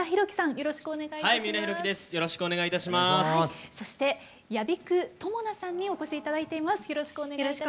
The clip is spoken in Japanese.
よろしくお願いします。